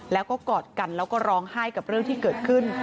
แล้วก็กอดกันแล้วก็ร้องไห้กับเรื่องที่เกิดขึ้น